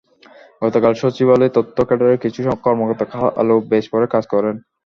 গতকাল সচিবালয়ে তথ্য ক্যাডারের কিছু কর্মকর্তা কালো ব্যাজ পরে কাজ করেন।